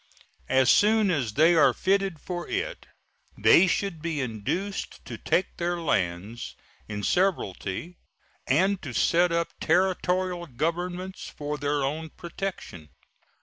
As soon as they are fitted for it they should be induced to take their lands in severalty and to set up Territorial governments for their own protection.